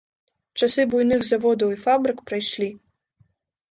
Часы буйных заводаў і фабрык прайшлі.